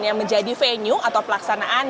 yang menjadi venue atau pelaksanaan